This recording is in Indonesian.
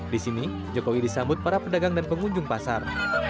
di sini jokowi disambut para pedagang dan pengunjung pasar